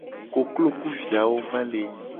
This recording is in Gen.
Koklo ku viawo va le yi.